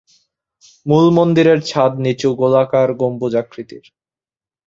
মূল মন্দিরের ছাদ নিচু গোলাকার গম্বুজ আকৃতির।